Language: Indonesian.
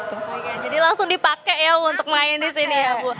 jadi langsung dipake untuk main di sini ya bu